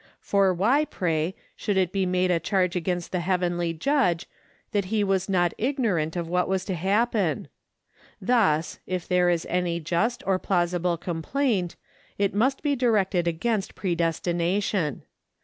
For why, pray, should it be made a charge against the heavenly Judge, that he was not ignorant of what was to happen? Thus, if there is any just or plausible complaint, it must be directed against predestination.